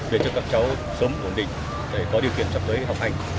để cho các cháu sớm ổn định để có điều kiện sắp tới học hành